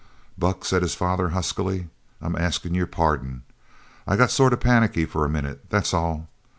"Buck," said his father huskily, "I'm askin' your pardon. I got sort of panicky for a minute, that's all.